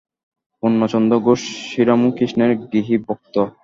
পূর্ণচন্দ্র ঘোষ শ্রীরামকৃষ্ণের গৃহী ভক্ত।